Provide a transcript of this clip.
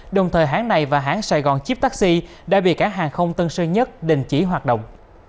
đồng thời hãng này và hãng sài gòn chip taxi đã bị cảng hàng không tân sơn nhất đình chỉ hoạt động